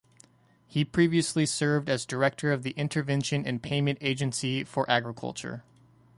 He previously served as director of the Intervention and Payment Agency for Agriculture.